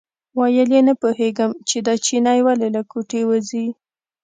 ویل یې نه پوهېږم چې دا چینی ولې له کوټې وځي.